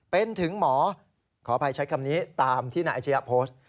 เป็นถึงหมอขออภัยใช้คำนี้ตามที่นายอาชียะโพสต์